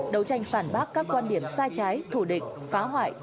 đấu tranh phản bác các quan điểm sai trái thủ địch phá hoại